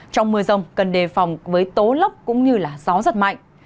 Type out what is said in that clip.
trong mưa rông cần đề phòng với tố lốc cũng như gió giật mạnh